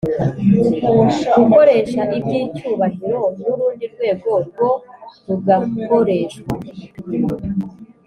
gukoresha iby icyubahiro n urundi rwego rwo rugakoreshwa